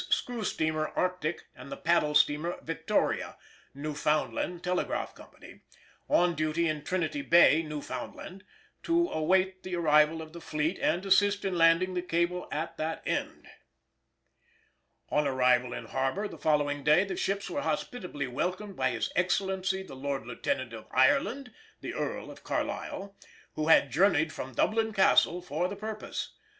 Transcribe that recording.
screw steamer Arctic and the paddle steamer Victoria (Newfoundland Telegraph Company) on duty in Trinity Bay, Newfoundland, to await the arrival of the fleet and assist in landing the cable at that end. On arrival in harbor the following day, the ships were hospitably welcomed by his Excellency the Lord Lieutenant of Ireland (the Earl of Carlisle), who had journeyed from Dublin Castle for the purpose.